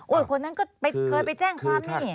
โอ้ยคนนั้นเคยไปแจ้งความเนี่ย